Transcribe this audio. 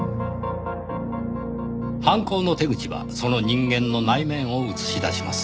犯行の手口はその人間の内面を映し出します。